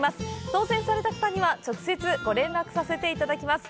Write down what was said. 当せんされた方には、直接、ご連絡させていただきます。